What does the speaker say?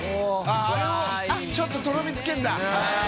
あれをちょっととろみつけるんだ。